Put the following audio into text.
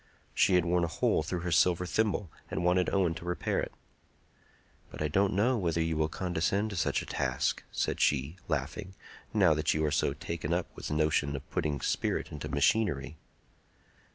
She had worn a hole through her silver thimble, and wanted Owen to repair it. "But I don't know whether you will condescend to such a task," said she, laughing, "now that you are so taken up with the notion of putting spirit into machinery."